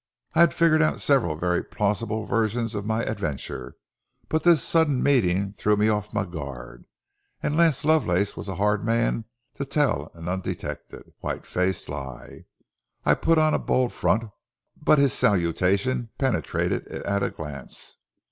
I had figured out several very plausible versions of my adventure, but this sudden meeting threw me off my guard—and Lance Lovelace was a hard man to tell an undetected, white faced lie. I put on a bold front, but his salutation penetrated it at a glance.